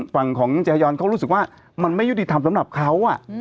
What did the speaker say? ฝั่งของเจฮยอนเขารู้สึกว่ามันไม่ยุติธรรมสำหรับเขา